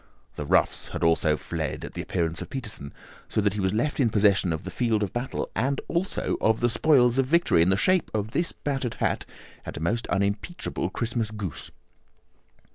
The roughs had also fled at the appearance of Peterson, so that he was left in possession of the field of battle, and also of the spoils of victory in the shape of this battered hat and a most unimpeachable Christmas goose."